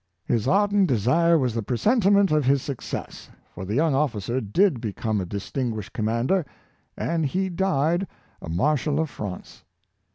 His ardent desire was the presentiment of his success; for the young officer did become a distinguished com mander, and he died a Marshal of France.